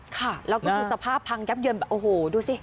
ค่ะแล้วก็ดูสภาพพังยับเยินแบบโอ้โหดูสิ